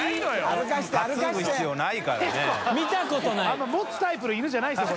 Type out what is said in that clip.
あんま持つタイプのイヌじゃないですね